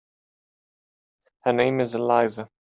Her name is Elisa.